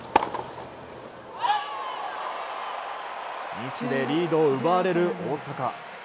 ミスでリードを奪われる大坂。